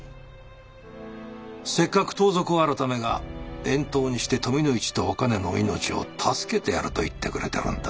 せっかく盗賊改が遠島にして富の市とおかねの命を助けてやると言ってくれてるんだ。